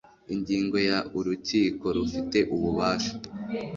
Ingingo ya Urukiko rufite ububasha